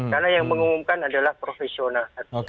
karena yang mengumumkan adalah profesional